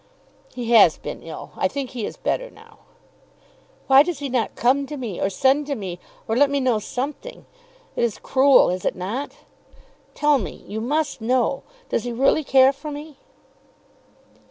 "He has been ill. I think he is better now." "Why does he not come to me, or send to me; or let me know something? It is cruel, is it not? Tell me, you must know, does he really care for me?"